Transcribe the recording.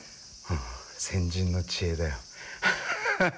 先人の知恵だよ。